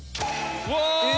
うわ！